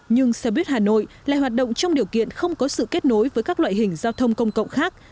nhưng xe buýt hà nội lại hoạt động trong điều kiện không có sự kết nối với các loại hình giao thông công cộng khác